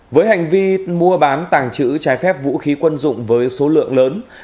với hành vi mua bán tàng trữ trái phép vũ khí quân dụng với số lượng lớn